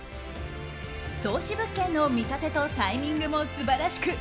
投資物件の見立てとタイミングも素晴らしく